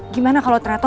gimana kalo ternyata